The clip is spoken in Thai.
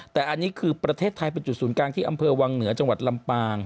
แต่อันนี้คือประเทศไทยเป็นจุดศูนย์กลางที่อำเภอวังเหนือจังหวัดลำปาง